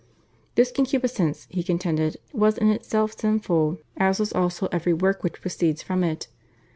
This concupiscence, he contended, was in itself sinful, as was also every work which proceeds from it.